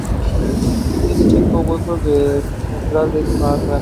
Tiene cinco huecos, del que el central es el más grande.